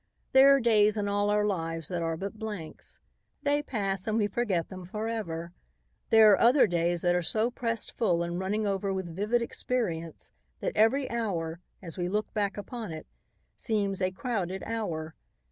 There are days in all our lives that are but blanks. They pass and we forget them forever. There are other days that are so pressed full and running over with vivid experience that every hour, as we look back upon it, seems a "crowded hour."